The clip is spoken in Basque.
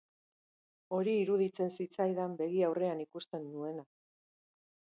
Hori iruditzen zitzaidan begi aurrean ikusten nuena.